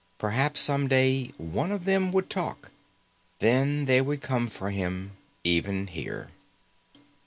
Perhaps, someday, one of them would talk. Then they would come for him, even here.